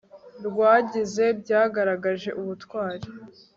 rwagize byagaragaje ubutwari